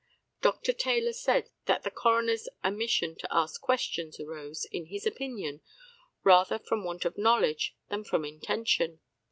Dr. Taylor said that the coroner's omission to ask questions arose, in his opinion, rather from want of knowledge than from intention.